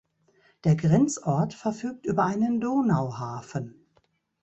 Der Grenzort verfügt über einen Donauhafen.